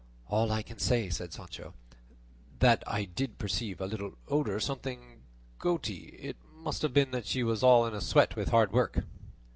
"All I can say is," said Sancho, "that I did perceive a little odour, something goaty; it must have been that she was all in a sweat with hard work."